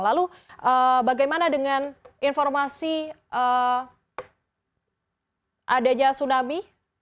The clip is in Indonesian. lalu bagaimana dengan informasi adanya tsunami